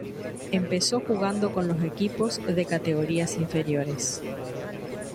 Empezó jugando con los equipos de categorías inferiores.